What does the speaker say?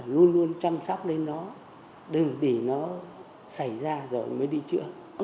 luôn luôn chăm sóc đến nó đừng để nó xảy ra rồi mới đi trước